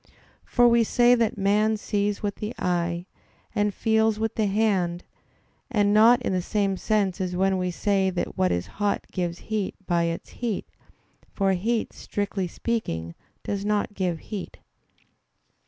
For we say that man sees with the eye, and feels with the hand, and not in the same sense as when we say that what is hot gives heat by its heat; for heat, strictly speaking, does not give heat.